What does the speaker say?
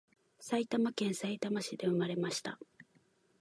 埼玉県さいたま市で産まれました